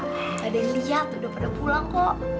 gak ada yang liat udah pada pulang kok